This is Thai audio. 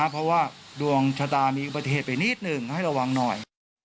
เพราะว่าดวงชะตามีอุบัติเหตุไปนิดหนึ่งให้ระวังหน่อย